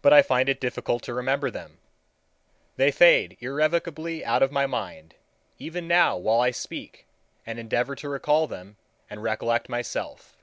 But I find it difficult to remember them. They fade irrevocably out of my mind even now while I speak and endeavor to recall them, and recollect myself.